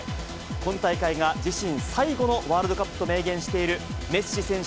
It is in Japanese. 今大会が自身最後のワールドカップと明言しているメッシ選手